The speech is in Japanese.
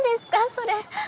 それ。